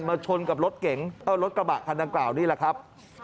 ชนกับรถเก๋งรถกระบะคันดังกล่าวนี่แหละครับ